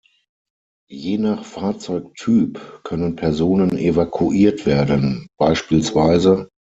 Je nach Fahrzeugtyp können Personen evakuiert werden, bspw.